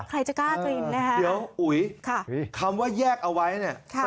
ใครจะกล้ากินนะคะเดี๋ยวอุ๋ยคำว่าแยกเอาไว้เนี่ย